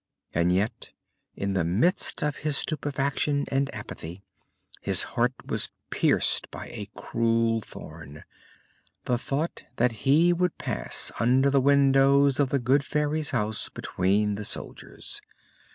And yet, in the midst of his stupefaction and apathy, his heart was pierced by a cruel thorn the thought that he would pass under the windows of the good Fairy's house between the soldiers.